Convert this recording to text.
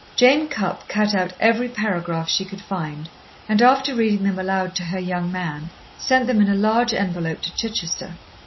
Jane Cupp cut out every paragraph she could find and, after reading them aloud to her young man, sent them in a large envelope to Chichester.